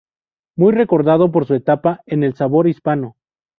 Muy recordado por su etapa en el Sabor Hispano.